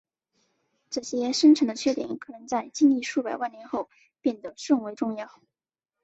这些深层的缺点可能在经历数百万年后变得甚为重要。